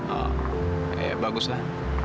oh ya bagus lah